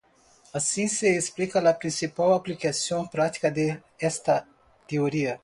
Así se explica la principal aplicación práctica de esta teoría.